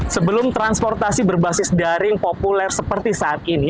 sebelum transportasi berbasis daring populer seperti saat ini